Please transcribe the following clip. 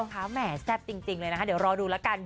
แหม่แซ่บจริงเลยนะคะเดี๋ยวรอดูแล้วกัน